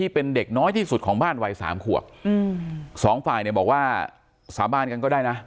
เป็นเด็กน้อยที่สุดของบ้านวัยสามขวบอืมสองฝ่ายเนี่ยบอกว่าสาบานกันก็ได้นะ